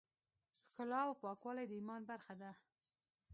ښکلا او پاکوالی د ایمان برخه ده.